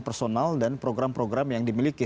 personal dan program program yang dimiliki